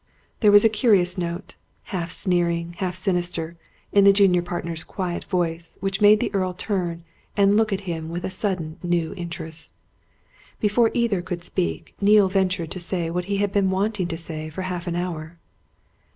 There was a curious note half sneering, half sinister in the junior partner's quiet voice which made the Earl turn and look at him with a sudden new interest. Before either could speak, Neale ventured to say what he had been wanting to say for half an hour.